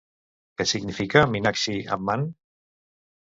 Què significa Minakxi Amman?